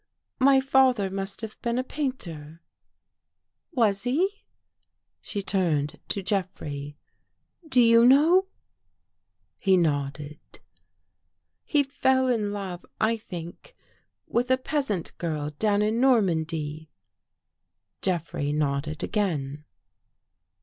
" My father must have been a painter. Was he? " She turned to Jeffrey. " Do you know?" He nodded. " He fell in love, I think, with a peasant girl down in Normandy." Jeffrey nodded again.